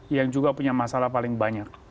yang juga punya masalah paling banyak